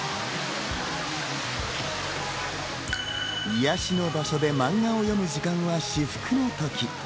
癒やしの場所で漫画を読む時間は至福の時。